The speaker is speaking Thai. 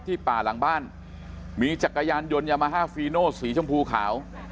ป่าหลังบ้านมีจักรยานยนต์ยามาฮาฟีโนสีชมพูขาว